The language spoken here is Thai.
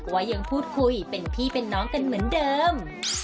ว่ายังพูดคุยเป็นพี่เป็นน้องกันเหมือนเดิม